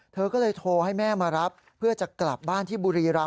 เธอก็เลยโทรให้แม่มารับเพื่อจะกลับบ้านที่บุรีรำ